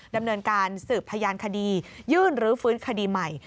ดำเนินการสืบพยานคดียื่นรื้อฟื้นคดีใหม่